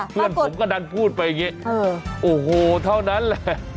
เพื่อนผมก็ดันพูดไปอย่างนี้โอ้โหเท่านั้นแหละ